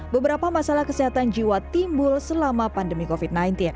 beberapa masalah kesehatan jiwa timbul selama pandemi covid sembilan belas